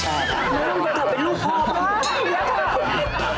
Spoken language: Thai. นี่น่าจะกลับเป็นลูกพ่อป่ะ